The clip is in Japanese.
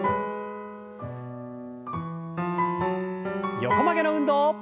横曲げの運動。